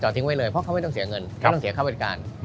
ทิ้งไว้เลยเพราะเขาไม่ต้องเสียเงินไม่ต้องเสียค่าบริการ